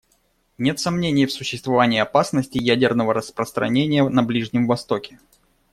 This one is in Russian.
Нет сомнений в существовании опасности ядерного распространения на Ближнем Востоке.